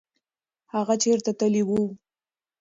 هغه چېرته تللی و؟